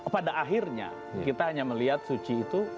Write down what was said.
pada akhirnya kita hanya melihat suci itu